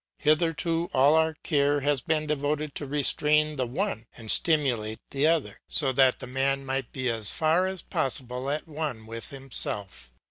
Hitherto all our care has been devoted to restrain the one and stimulate the other, so that the man might be as far as possible at one with himself.